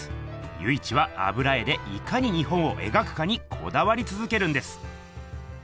由一は「油絵でいかに日本を描くか？」にこだわりつづけるんです。